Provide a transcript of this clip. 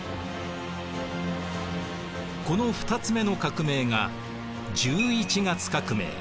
この二つ目の革命が十一月革命